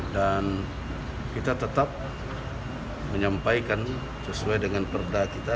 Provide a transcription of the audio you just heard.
dan kita tetap menyampaikan sesuai dengan perda kita